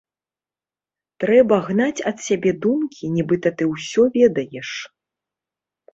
Трэба гнаць ад сябе думкі, нібыта ты ўсё ведаеш.